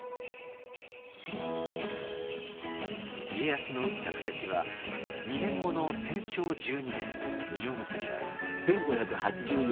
家康の打った布石は２年後の天正１２年実を結びます。